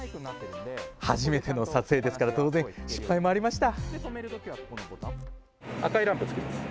初めての撮影ですから失敗もありました。